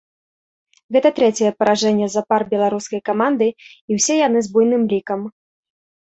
Гэта трэцяе паражэнне запар беларускай каманды і ўсе яны з буйным лікам.